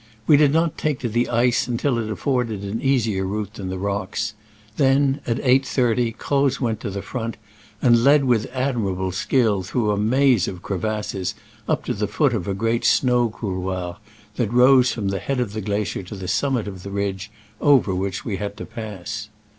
We did not take to the ice until it afford ed an easier route than the rocks : then (at 8.30) Croz went to the front, and led with admirable skill through a maze of crevasses up to the foot of a great snow couloir that rose from the head of the glacier to the summit of the ridge over which we had to pass.